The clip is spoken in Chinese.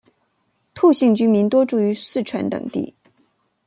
兔姓居民多住于四川等地。